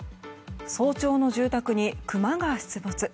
早朝の住宅にクマが出没。